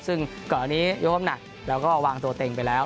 ซึ่งก่อนอันนี้ยกน้ำหนักแล้วก็วางตัวเต็งไปแล้ว